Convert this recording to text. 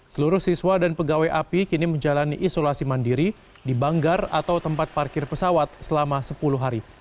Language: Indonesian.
seluruh siswa dan pegawai api kini menjalani isolasi mandiri di banggar atau tempat parkir pesawat selama sepuluh hari